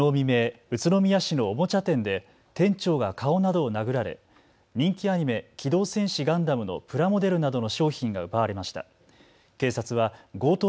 きのう未明、宇都宮市のおもちゃ店で店長が顔などを殴られ人気アニメ、機動戦士ガンダムのプラモデルなどの商品が奪われました。